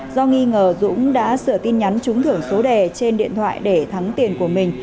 do nghi ngờ dũng đã sửa tin nhắn trúng thưởng số đề trên điện thoại để thắng tiền của mình